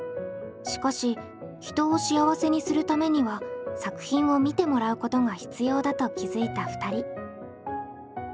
しかし人を幸せにするためには作品を見てもらうことが必要だと気付いた２人。